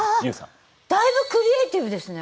ああだいぶクリエーティブですね。